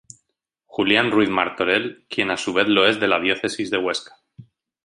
Julián Ruiz Martorell, quien a su vez lo es de la diócesis de Huesca.